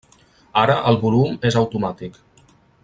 Ara el volum és automàtic.